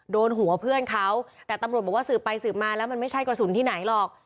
โดนหัวเพื่อนเขาแต่ตำรวจบอกว่าสืบไปสืบมาแล้วมันไม่ใช่กระสุนที่ไหนหรอก